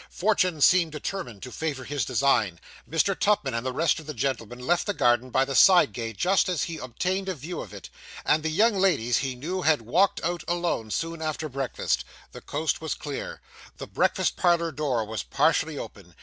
Fortune seemed determined to favour his design. Mr. Tupman and the rest of the gentlemen left the garden by the side gate just as he obtained a view of it; and the young ladies, he knew, had walked out alone, soon after breakfast. The coast was clear. The breakfast parlour door was partially open.